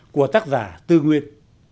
của tác giả tư nguyên